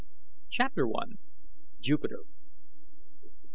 CHAPTER 1. JUPITER.